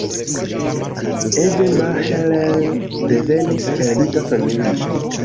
Ede Mahler devenis el juda familio.